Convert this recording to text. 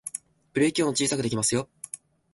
これでブレーキ音を小さくできますよ